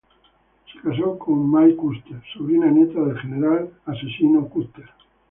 Se casó con May Custer, sobrina nieta del General Custer.